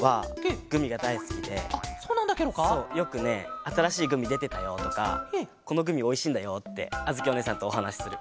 そうよくね「あたらしいグミでてたよ」とか「このグミおいしいんだよ」ってあづきおねえさんとおはなしする。